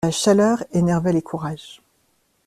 La chaleur énervait les courages.